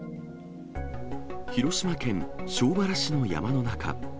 広島県庄原市の山の中。